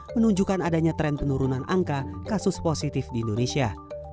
menunjukkan adanya tren penurunan angka kasus positif di indonesia